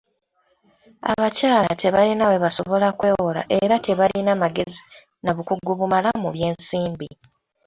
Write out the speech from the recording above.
Abakyala tebalina we basobola kwewola era tebalina magezi na bukugu bumala mu by'ensimbi.